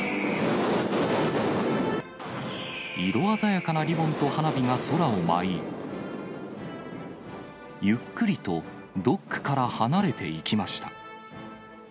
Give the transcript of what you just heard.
色鮮やかなリボンと花火が空を舞い、ゆっくりとドックから離れていきました。